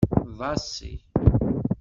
Ḍasi.